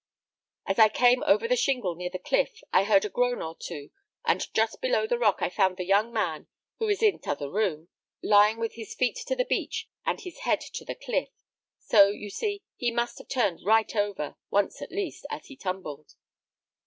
As I came over the shingle near the cliff, I heard a groan or two, and just below the rock I found the young man who is in t'other room, lying with his feet to the beach and his head to the cliff; so, you see, he must have turned right over, once at least, as he tumbled."